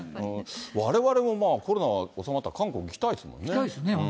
われわれもコロナは収まったら、韓国行きたいですもんね。